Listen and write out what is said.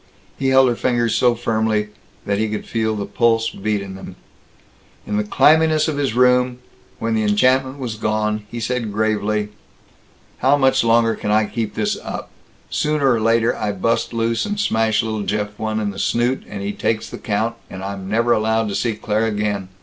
He held her fingers so firmly that he could feel the pulse beat in them. In the clamminess of his room, when the enchantment was gone, he said gravely: "How much longer can I keep this up? Sooner or later I bust loose and smash little Jeff one in the snoot, and he takes the count, and I'm never allowed to see Claire again.